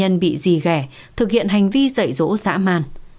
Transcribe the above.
nạn nhân bị dì ghẻ thực hiện hành vi dậy rỗ dã man